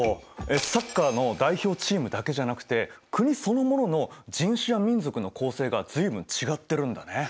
サッカーの代表チームだけじゃなくて国そのものの人種や民族の構成が随分違ってるんだね。